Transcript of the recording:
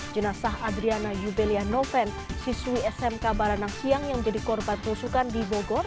jenazah adriana jubelia noven siswi smk baranang siang yang menjadi korban perusukan di bogor